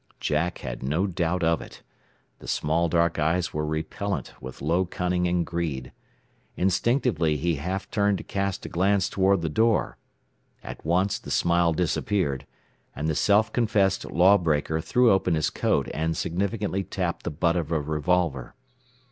Jack had no doubt of it. The small dark eyes were repellent with low cunning and greed. Instinctively he half turned to cast a glance toward the door. At once the smile disappeared, and the self confessed law breaker threw open his coat and significantly tapped the butt of a revolver.